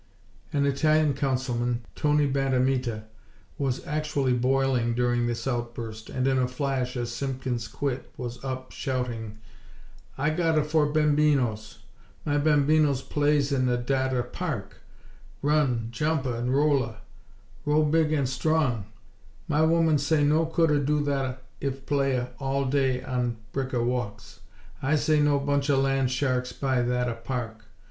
An Italian Councilman, Tony Bandamita, was actually boiling during this outburst; and, in a flash, as Simpkins quit, was up, shouting: "I gotta four bambinos. My bambinos playa in thatta park: run, jumpa and rolla. Grow bigga an' strong. My woman say no coulda do thatta if playa all day on bricka walks. I say no buncha land sharks buya thatta Park!!